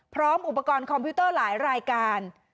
พร้อมอุปกรณ์คอมพิวเตอร์หลายรายการ